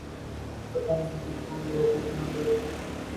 پتہ نہیں کس کو ہم بے وقوف بنا رہے ہوتے ہیں۔